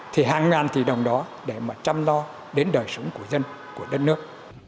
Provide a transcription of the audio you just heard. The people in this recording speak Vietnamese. thì hàng ngàn tỷ đồng đó để mà chăm lo đến đời sống của dân của đất nước